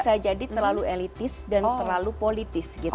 isu ini bisa jadi terlalu elitis dan terlalu politis gitu